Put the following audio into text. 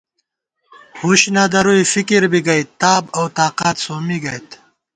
ہُش نہ درُوئی، فِکِر بی گئ، تاب اؤ تاقات سومّی گئیت